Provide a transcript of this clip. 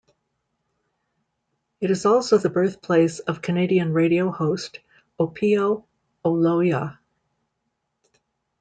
It is also the birthplace of Canadian radio host Opiyo Oloya.